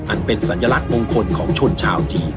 อันเป็นสัญลักษณ์มงคลของชนชาวจีน